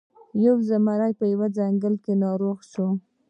یو زمری په یوه ځنګل کې ناروغ شو.